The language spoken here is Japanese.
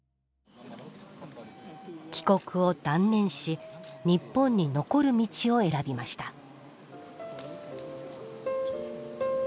帰国を断念し日本に残る道を選びました。